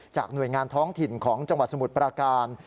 หน่วยงานท้องถิ่นของจังหวัดสมุทรปราการ